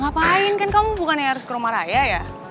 ngapain kan kamu bukannya harus ke rumah raya ya